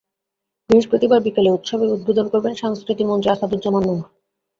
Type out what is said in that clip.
বৃহস্পতিবার বিকেলে উৎসবের উদ্বোধন করবেন সংস্কৃতিমন্ত্রী আসাদুজ্জামান নূর।